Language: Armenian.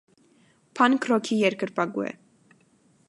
Փանկ ռոքի երկրպագու է։